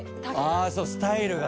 あそうスタイルが。